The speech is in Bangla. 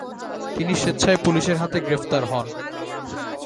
তিনি স্বেচ্ছায় পুলিশের হাতে গ্রেফতার হন।